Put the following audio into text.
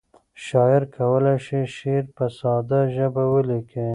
شاعر کولی شي شعر په ساده ژبه ولیکي.